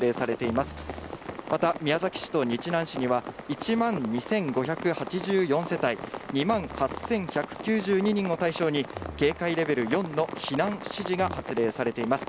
また、宮崎市と日南市には１万２５８４世帯２万８１９２人を対象に、警戒レベル４の避難指示が発令されています。